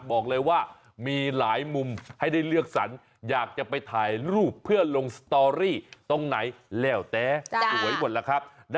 บอกเลยว่ามีหลายมุมให้ได้เลือกสรรค์อยากจะตาลูกที่ตมมาตรวบมา